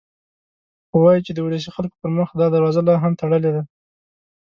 خو وايي چې د ولسي خلکو پر مخ دا دروازه لا هم تړلې ده.